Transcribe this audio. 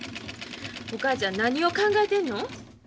お母ちゃん何を考えてんの？